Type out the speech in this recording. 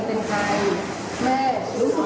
แม่รู้สึกยังไงนับเวลาที่